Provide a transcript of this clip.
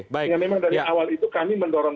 sehingga memang dari awal itu kami mendorong